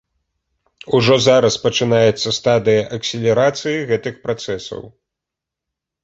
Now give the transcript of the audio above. Ужо зараз пачынаецца стадыя акселерацыі гэтых працэсаў.